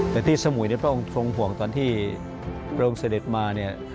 แต่ที่สมุยในพระองค์ทรงห่วงตอนที่พระองค์เสด็จมาเนี่ย